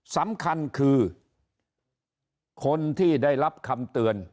สำคัญคือคนที่ได้รับคำเตือน